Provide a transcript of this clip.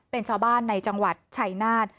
เป็นชาวบ้านในจังหวัดชัยนาธ